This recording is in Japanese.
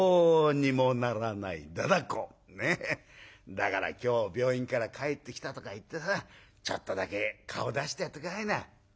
だから今日病院から帰ってきたとか言ってさちょっとだけ顔出してやって下さいな」。